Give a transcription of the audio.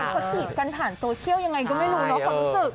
เป็นคอนติดกันผ่านศูเช่ลยังไงก็ไม่รู้นะความรู้สึก